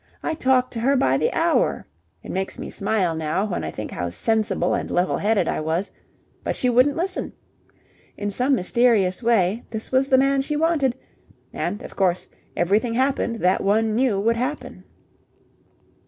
I talked to her by the hour. It makes me smile now when I think how sensible and level headed I was. But she wouldn't listen. In some mysterious way this was the man she wanted, and, of course, everything happened that one knew would happen.